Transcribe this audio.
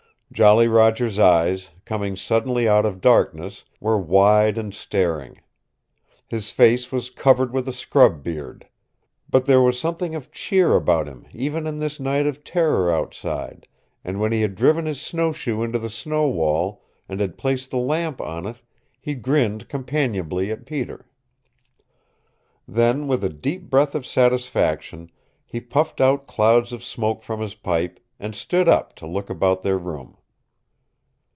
Jolly Roger's eyes, coming suddenly out of darkness, were wide and staring. His face was covered with a scrub beard. But there was something of cheer about him even in this night of terror outside, and when he had driven his snowshoe into the snow wall, and had placed the lamp on it, he grinned companionably at Peter. Then, with a deep breath of satisfaction, he puffed out clouds of smoke from his pipe, and stood up to look about their room.